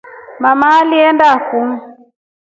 Mama ulinda ku.